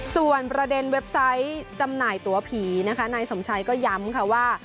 ส่วนประเด็นเว็บไซต์จำหน่ายตัวผีนะคะนายสมชัยก็ย้ำค่ะว่า